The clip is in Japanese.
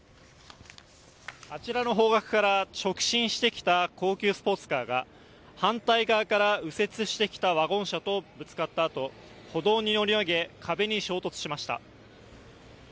あちらの方角から直進してきた高級スポーツカーが反対側から右折してきたワゴン車とぶつかった後歩道に乗り上げ壁に衝突しました。